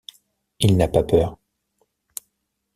Il n'a pas peur.